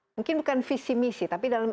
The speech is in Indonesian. mungkin bukan visi misi tapi dalam